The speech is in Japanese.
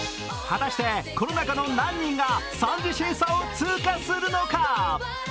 果たして、この中の何人が３次審査を通過するのか。